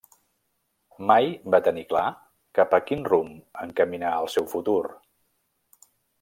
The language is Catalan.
Mai va tenir clar cap a quin rumb encaminar el seu futur.